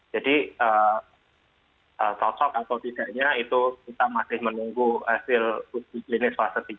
jadi cocok atau tidaknya itu kita masih menunggu hasil uti klinis fase tiga